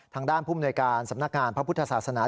ทางด้านผู้มนวยการสำนักงานพระพุทธศาสนา